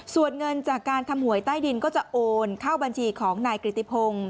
ส่วนเงินจากการทำหวยใต้ดินก็จะโอนเข้าบัญชีของนายกริติพงศ์